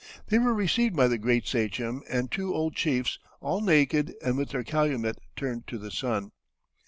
They were received by the Great Sachem and two old chiefs, all naked and with their calumet turned to the sun.